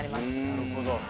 なるほど。